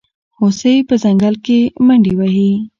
هوسۍ په ځنګل کې منډې وهي.